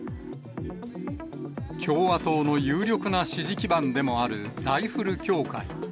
共和党の有力な支持基盤でもあるライフル協会。